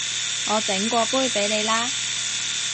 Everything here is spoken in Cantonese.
我整過杯畀你啦